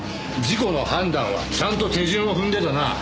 事故の判断はちゃんと手順を踏んでだな。